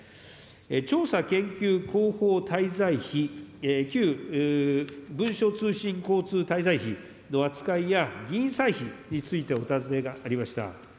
調査研究広報滞在費、旧文書通信交通滞在費の扱いや議員歳費についてお尋ねがありました。